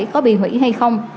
có bị hủy hay không